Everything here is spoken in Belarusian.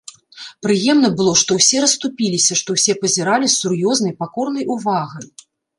Прыемна было, што ўсе расступіліся, што ўсе пазіралі з сур'ёзнай, пакорнай увагай.